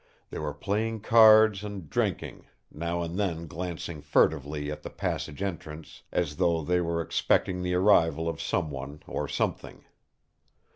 They were playing cards and drinking, now and then glancing furtively at the passage entrance, as though they were expecting the arrival of some one or something.